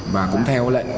và cũng theo lệnh